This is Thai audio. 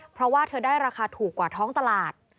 เพราะว่าเธอได้ราคาถูกกว่าท้องตลาด